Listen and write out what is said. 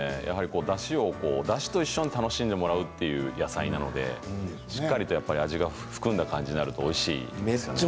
だしと一緒に楽しんでもらうという野菜なのでしっかり味が含んだ感じになるとおいしいですね。